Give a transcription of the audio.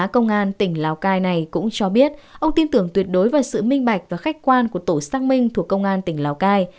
công an tỉnh lào cai này cũng cho biết ông tin tưởng tuyệt đối vào sự minh bạch và khách quan của tổ xác minh thuộc công an tỉnh lào cai